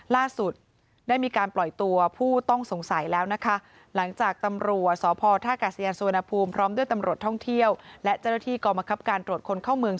ล่าสุดได้มีการปล่อยตัวผู้ต้องสงสัยแล้วนะคะหลังจากตำรวจสพท่ากาศยานสุวรรณภูมิพร้อมด้วยตำรวจท่องเที่ยวและเจ้าหน้าที่กรมคับการตรวจคนเข้าเมือง